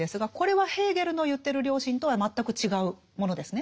これはヘーゲルの言ってる良心とは全く違うものですね。